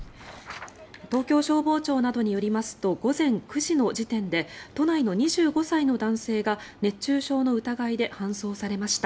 東京消防庁などによりますと午前９時の時点で都内の２５歳の男性が熱中症の疑いで搬送されました。